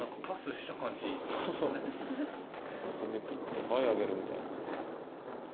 フフフ遊びきって「はいあげる」みたいな。